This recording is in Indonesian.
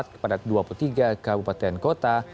kepada dua puluh tiga kabupaten kota